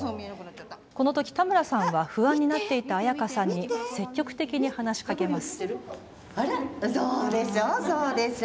このとき田村さんは不安になっていた彩花さんに積極的に話しかけます。